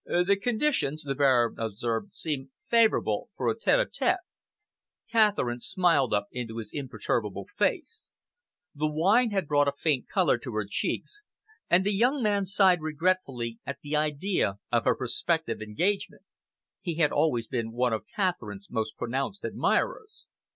"The conditions," the Baron observed, "seem favourable for a tete a tete." Catherine smiled up into his imperturbable face. The wine had brought a faint colour to her cheeks, and the young man sighed regretfully at the idea of her prospective engagement. He had always been one of Catherine's most pronounced admirers.